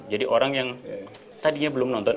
jadi orang yang tadinya belum nonton